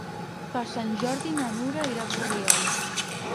Per Sant Jordi na Nura irà a Borriol.